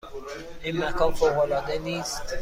این مکان فوق العاده نیست؟